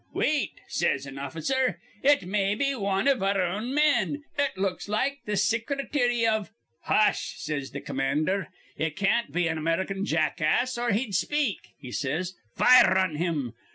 'Wait,' says an officer. 'It may be wan iv our own men. It looks like th' Sicrety iv' 'Hush!' says th' commander. 'It can't be an American jackass, or he'd speak,' he says. 'Fire on him.'